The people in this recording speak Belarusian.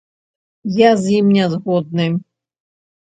Я з ім не згодны.